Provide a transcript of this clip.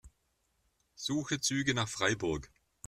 Suche Züge nach Freiburg.